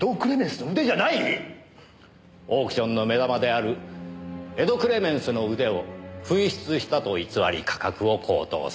オークションの目玉である『エド・クレメンスの腕』を紛失したと偽り価格を高騰させる。